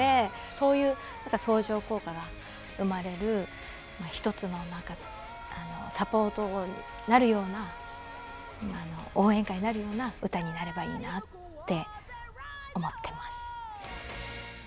そういう相乗効果が生まれる１つのサポートになるような応援歌になるような歌になればいいなって思ってます。